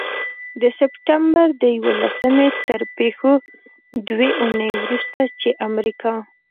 د سپټمبر د یوولسمې تر پيښو دوې اونۍ وروسته، چې امریکا